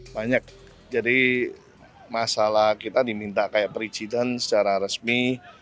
banyak jadi masalah kita diminta kayak perizinan secara resmi